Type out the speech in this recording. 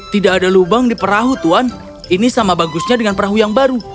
tidak ada lubang di perahu tuan ini sama bagusnya dengan perahu yang baru